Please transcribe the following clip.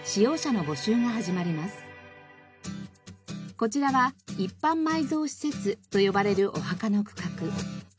こちらは一般埋蔵施設と呼ばれるお墓の区画。